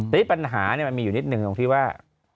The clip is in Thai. แต่ที่ปัญหาเนี่ยมันมีอยู่นิดนึงตรงที่ว่า